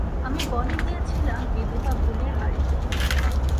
আমি বনে গিয়েছিলাম, বিধবা বুড়ির বাড়িতে।